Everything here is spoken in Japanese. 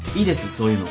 そういうの。